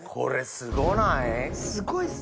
すごいっすね。